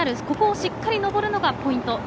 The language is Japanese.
ここをしっかり上るのがポイント。